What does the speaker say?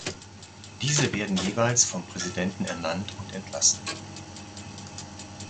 Diese werden jeweils vom Präsidenten ernannt und entlassen.